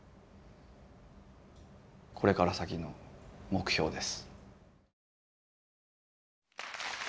これから先の目標です。